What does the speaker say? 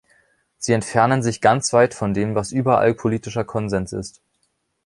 Sie entfernen sich ganz weit von dem, was überall politischer Konsens ist.